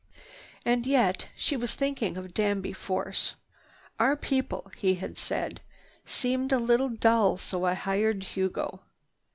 "And yet—" she was thinking of Danby Force. "Our people," he had said, "seemed a little dull, so I hired Hugo.